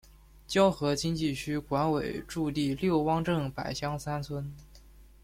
胶河经济区管委驻地六汪镇柏乡三村。